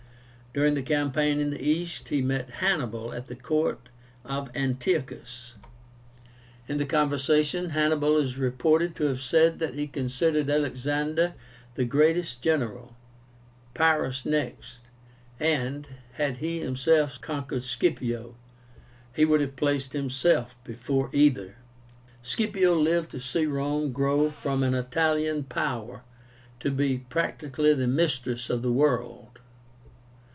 During the campaign in the East, he met Hannibal at the court of Antiochus. In the conversation Hannibal is reported to have said that he considered Alexander the greatest general, Pyrrhus next, and, had he himself conquered Scipio, he would have placed himself before either. Scipio lived to see Rome grow from an Italian power to be practically the mistress of the world.